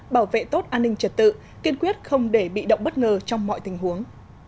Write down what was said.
bảo vệ tốt an ninh trật tự kiên quyết không để bị động bất ngờ trong mọi tình huống